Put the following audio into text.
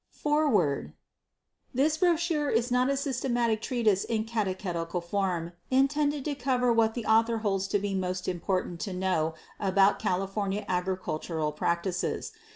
Foreword This brochure is not a systematic treatise in catechetical form intended to cover what the writer holds to be most important to know about California agricultural practices.